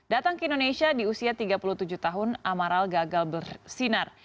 datang ke indonesia di usia tiga puluh tujuh tahun amaral gagal bersinar